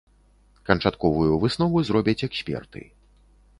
Канчатковую выснову зробяць эксперты.